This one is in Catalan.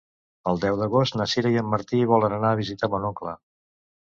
El deu d'agost na Sira i en Martí volen anar a visitar mon oncle.